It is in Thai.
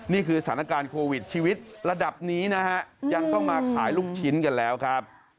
นี่คือสถานการณ์โควิดชีวิตระดับนี้นะฮะยังต้องมาขายลูกชิ้นกันแล้วครับ